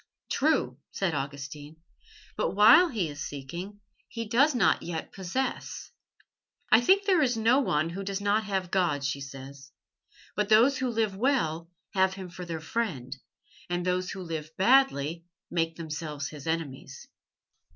"True," said Augustine, "but while he is seeking he does not yet possess." "I think there is no one who does not have God," she said. "But those who live well have Him for their friend, and those who live badly make themselves His enemies.